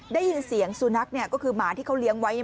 ได้ยินเสียงสูนักเนี่ยก็คือหมาที่เขาเลี้ยงไว้เนี่ย